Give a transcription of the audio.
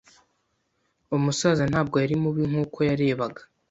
Umusaza ntabwo yari mubi nkuko yarebaga.